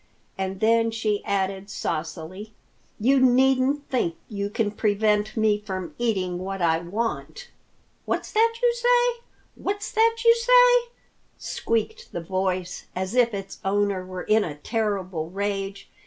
And then she added saucily, "You needn't think you can prevent me from eating what I want!" "What's that you say? What's that you say?" squeaked the voice, as if its owner were in a terrible rage.